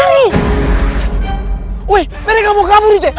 woy mereka mau kabur deh